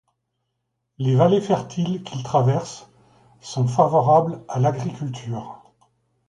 Les vallées fertiles qu'il traverse sont favorables à l'agriculture.